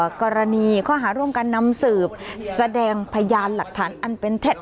กรณีข้อหาร่วมกันนำสืบแสดงพยานหลักฐานอันเป็นเท็จ